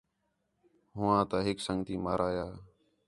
ہوآں تا ہِک سنڳتی مارا یا